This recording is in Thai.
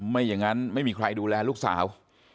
ไม่อย่างนั้นไม่มีใครดูแลลูกสาว